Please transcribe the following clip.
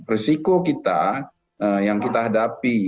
risiko kita yang kita hadapi